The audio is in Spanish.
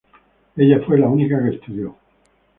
Ella fue la única que estudió.